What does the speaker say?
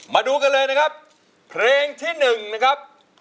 มาดูกันเลยนะครับเพลงที่๑นะครับ